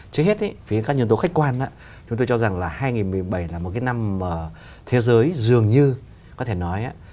trước hết phía các nhân tố khách quan chúng tôi cho rằng là hai nghìn một mươi bảy là một cái năm mà thế giới dường như có thể nói